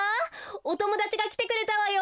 おともだちがきてくれたわよ！